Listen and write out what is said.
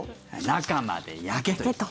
中まで焼けと。